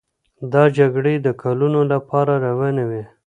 دا جګړې د کلونو لپاره روانې وې.